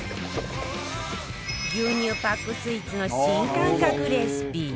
牛乳パックスイーツの新感覚レシピ